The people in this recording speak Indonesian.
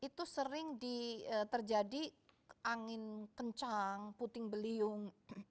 itu sering terjadi angin kencang puting beliung